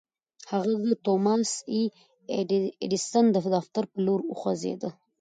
هغه د توماس اې ايډېسن د دفتر پر لور وخوځېد.